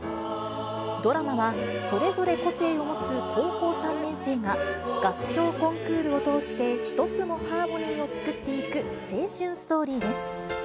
ドラマは、それぞれ個性を持つ高校３年生が、合唱コンクールを通して、１つのハーモニーを作っていく、青春ストーリーです。